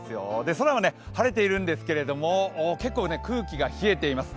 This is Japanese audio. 空は晴れてるんですけど結構空気が冷えています。